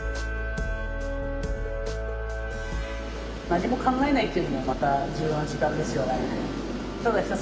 何も考えないっていうのもまた重要な時間ですよね。